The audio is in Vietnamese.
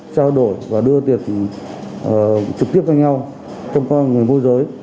trao đổi và đưa tiền trực tiếp cho nhau trong con người mua dưới